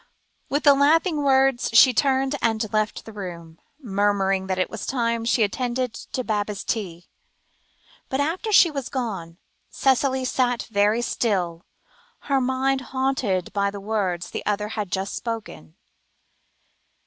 With the laughing words, she turned and left the room, murmuring that it was time she attended to Baba's tea; but after she had gone, Cicely sat very still, her mind haunted by the words the other had just spoken.